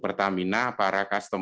pertamina para kasus yang